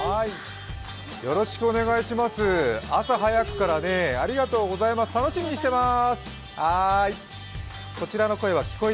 朝早くからありがとうございます、楽しみにしてます！